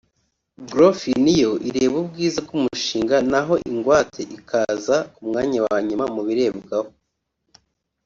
GroFin yo ireba ubwiza bw’umushinga naho ingwate ikaza ku mwanya wa nyuma mubirebwaho